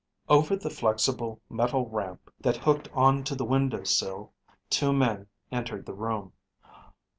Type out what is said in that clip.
Over the flexible metal ramp that hooked onto the window sill two men entered the room.